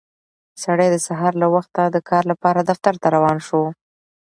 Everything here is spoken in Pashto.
سړی د سهار له وخته د کار لپاره دفتر ته روان شو